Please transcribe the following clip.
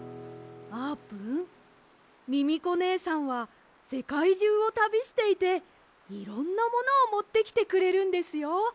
あーぷんミミコねえさんはせかいじゅうをたびしていていろんなものをもってきてくれるんですよ。